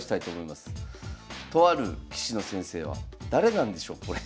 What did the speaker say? とある棋士の先生は誰なんでしょうこれ。